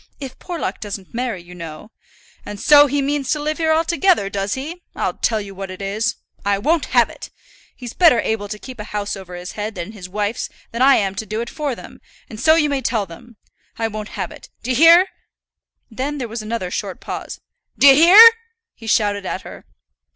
If Porlock doesn't marry, you know " "And so he means to live here altogether, does he? I'll tell you what it is, I won't have it. He's better able to keep a house over his own head and his wife's than I am to do it for them, and so you may tell them. I won't have it. D'ye hear?" Then there was another short pause. "D'ye hear?" he shouted at her.